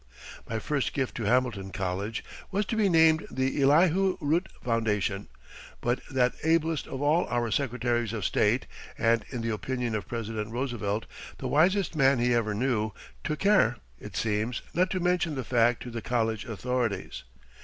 My first gift to Hamilton College was to be named the Elihu Root Foundation, but that ablest of all our Secretaries of State, and in the opinion of President Roosevelt, "the wisest man he ever knew," took care, it seems, not to mention the fact to the college authorities.